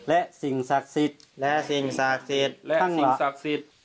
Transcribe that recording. และสิ่งศักดิ์สิทธิ์และสิ่งศักดิ์สิทธิ์และสิ่งศักดิ์สิทธิ์